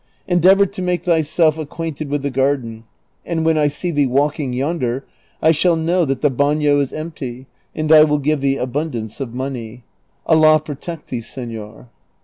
Endeavor to make thyself acquainted with the garden; and when I see thee walking yonder I shall know that the bano is empty and I will give thee abundance of money. Allah protect thee, seiior."